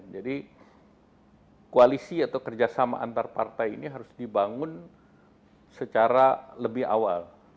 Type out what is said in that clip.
jadi koalisi atau kerjasama antar partai ini harus dibangun secara lebih awal